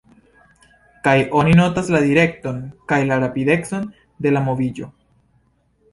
Kaj oni notas la direkton kaj la rapidecon de la moviĝo.